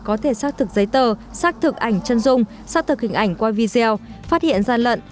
có thể xác thực giấy tờ xác thực ảnh chân dung xác thực hình ảnh qua video phát hiện gian lận